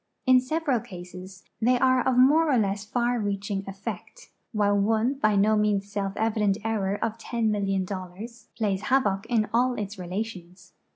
In several cases they are of more or less far reach ing effect, while one by no means self evident error of ten million dol 214 NATIONAL GEOGRAPIITC SOCIETY: lars plays havoc in all its relations.